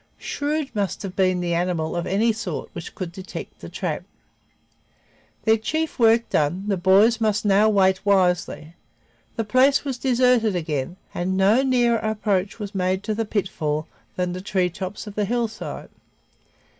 Shrewd must have been the animal of any sort which could detect the trap. Their chief work done, the boys must now wait wisely. The place was deserted again and no nearer approach was made to the pitfall than the treetops of the hillside.